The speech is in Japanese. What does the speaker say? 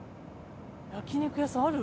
焼肉屋さんある？